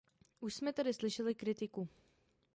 Už jsme tady slyšeli kritiku.